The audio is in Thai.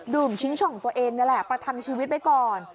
ชิงช่องตัวเองนี่แหละประทังชีวิตไว้ก่อน